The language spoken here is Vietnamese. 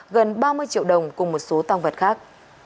gần ba mươi triệu đồng cùng một số tăng vật khác